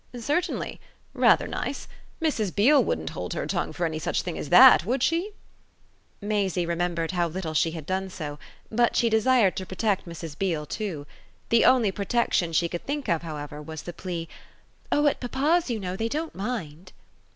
"Certainly; rather nice. Mrs. Beale wouldn't hold her tongue for any such thing as that, would she?" Maisie remembered how little she had done so; but she desired to protect Mrs. Beale too. The only protection she could think of, however, was the plea: "Oh at papa's, you know, they don't mind!"